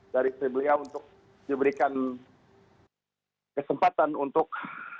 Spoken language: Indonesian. dari beliau untuk diberikan kesempatan untuk